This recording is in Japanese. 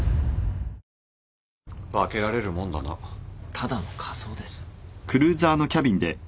ただの仮装です。